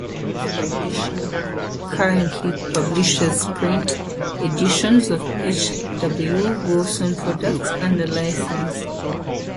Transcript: Grey House Publishing currently publishes print editions of H. W. Wilson products under license.